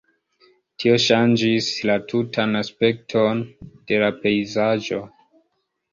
Tio ŝanĝis la tutan aspekton de la pejzaĝo.